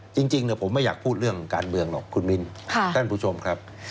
จริงผมไม่อยากพูดเรื่องการเมืองหรอกคุณมิ้นท่านผู้ชมครับ